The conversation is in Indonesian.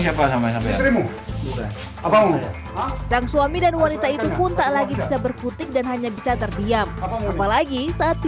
yang suami dan wanita itu pun tak lagi bisa berputik dan hanya bisa terdiam apalagi saat